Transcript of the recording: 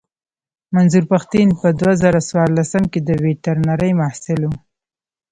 منظور پښتين په دوه زره څوارلسم کې د ويترنرۍ محصل و.